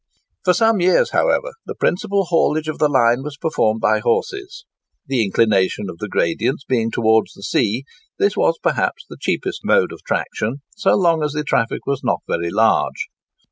For some years, however, the principal haulage of the line was performed by horses. The inclination of the gradients being towards the sea, this was perhaps the cheapest mode of traction, so long as the traffic was not very large.